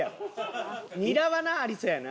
ニラはなありそうやな。